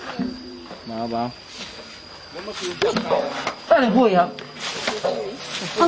พี่ป๊าต้าเลยไปดูสิพี่ป๊าต้าเหมือนกัน